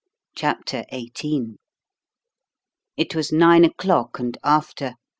CHAPTER XVIII It was nine o'clock and after.